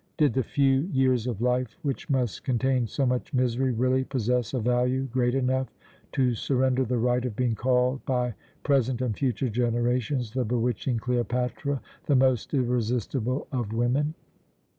Did the few years of life which must contain so much misery really possess a value great enough to surrender the right of being called by present and future generations the bewitching Cleopatra, the most irresistible of women?